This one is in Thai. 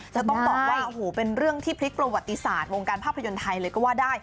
จะต้องบอกว่าโอ้โหเป็นเรื่องที่พลิกประวัติศาสตร์วงการภาพยนตร์ไทยเลยก็ว่าได้